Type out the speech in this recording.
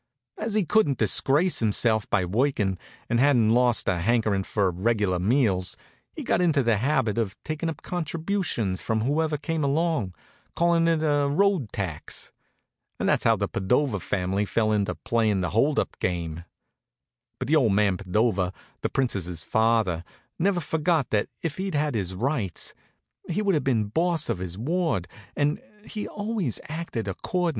As he couldn't disgrace himself by workin', and hadn't lost the hankerin' for reg'lar meals, he got into the habit of taking up contributions from whoever came along, calling it a road tax. And that's how the Padova family fell into playing the hold up game. But the old man Padova, the Princess' father, never forgot that if he'd had his rights he would have been boss of his ward, and he always acted accordin'.